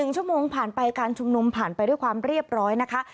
๑ชั่วโมงผ่านไปการชุมนุมผ่านไปด้วยความเรียบร้อยนะคะ